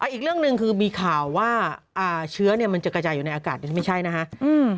อีกเรื่องหนึ่งคือมีข่าวว่าเชื้อมันจะกระจายอยู่ในอากาศดีไม่ใช่นะครับ